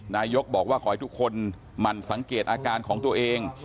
นายกบอกว่าขอให้ทุกคนหมั่นสังเกตอาการของตัวเอง